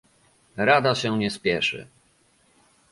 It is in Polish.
Rada się nie spieszy